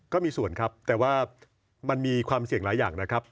ก็มีส่วนครับแต่ว่ามันมีความเสี่ยงหลายอย่างนะครับ